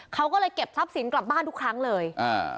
เขาก็เลยเก็บทรัพย์สินกลับบ้านทุกครั้งเลยอ่า